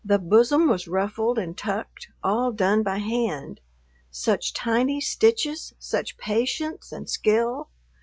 The bosom was ruffled and tucked, all done by hand, such tiny stitches, such patience and skill.